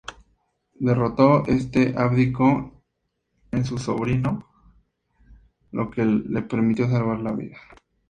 Derrotado este, abdicó en su sobrino lo que le permitió salvar la vida.